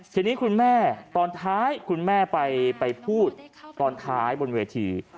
ทีนี้คุณแม่ไปพูดตอนท้ายบนเวที